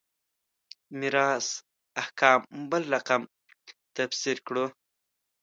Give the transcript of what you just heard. د میراث احکام بل رقم تفسیر کړو.